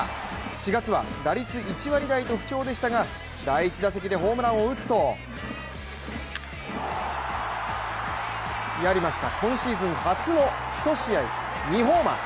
４月は打率１割台と不調でしたが第１打席でホームランを打つとやりました、今シーズン初の１試合２ホーマー。